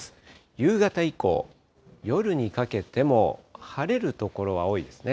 夕方以降、夜にかけても晴れる所は多いですね。